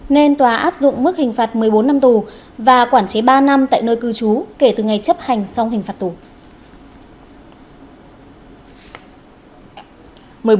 nên tòa áp dụng mức hình phạt một mươi bốn năm tù và quản chế ba năm tại nơi cư trú kể từ ngày chấp hành xong hình phạt tù